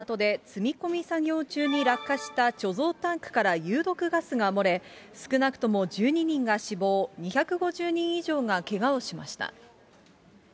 中東ヨルダンの港で、積み込み作業中に落下した貯蔵タンクから有毒ガスが漏れ、少なくとも１２人が死亡、２５０人以上がけがをしました。